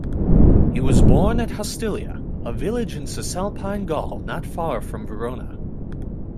He was born at Hostilia, a village in Cisalpine Gaul not far from Verona.